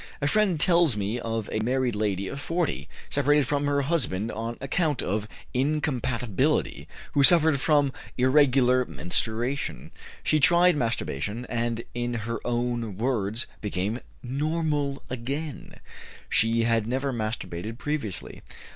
A friend tells me of a married lady of 40, separated from her husband on account of incompatibility, who suffered from irregular menstruation; she tried masturbation, and, in her own words, "became normal again;" she had never masturbated previously.